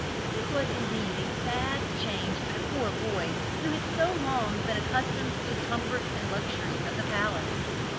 This was indeed a sad change for the poor boy, who had so long been accustomed to the comforts and luxuries of the palace.